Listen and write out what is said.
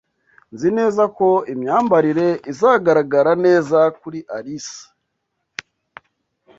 Nzi neza ko imyambarire izagaragara neza kuri Alice.